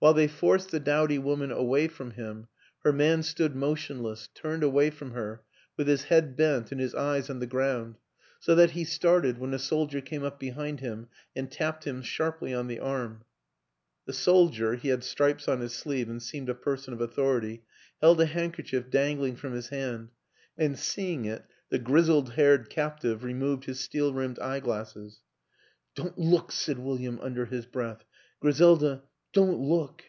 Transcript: While they forced the dowdy woman away from him her man stood motionless, turned away from her with his head bent and his eyes on the ground, so that he started when a soldier came up behind him and tapped him sharply on the arm. The soldier he had stripes on his sleeve and seemed a person of authority held a handker chief dangling from his hand; and, seeing it, the grizzled haired captive removed his steel rimmed eye glasses. " Don't look," said William under his breath. " Griselda, don't look."